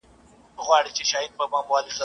دا زخم ناسوري دی له دې قامه سره مل دی !.